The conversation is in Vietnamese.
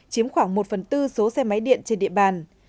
chiếm khoảng một phần tư số xe máy điện trên địa bàn